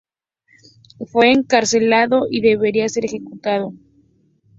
Fue encarcelado y debía ser ejecutado.